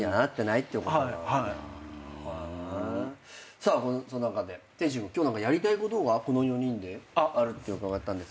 さあ天心君今日何かやりたいことがこの４人であるって伺ったんですが。